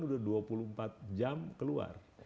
sudah dua puluh empat jam keluar